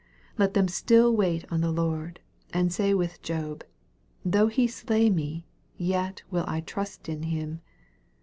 Let them sti'l wait on the Lord, and say with Job, " Though he slay me, yet will I trust in him."